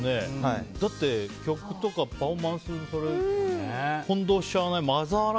だって曲とかパフォーマンスとか混同しちゃわない？